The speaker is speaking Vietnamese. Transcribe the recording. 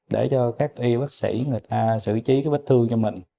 để cho các y bác sĩ người ta xử trí cái vết thương cho mình